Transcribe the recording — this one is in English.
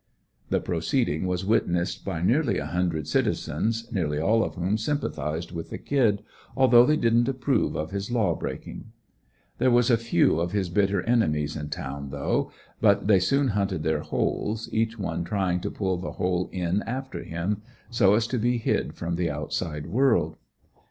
This proceeding was witnessed by nearly a hundred citizens, nearly all of whom sympathized with the "Kid," although they didn't approve of his law breaking. There was a few of his bitter enemies in town, though, but they soon hunted their holes, each one trying to pull the hole in after him, so as to be hid from the outside world.